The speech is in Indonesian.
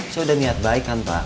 saya udah niat baik kan pak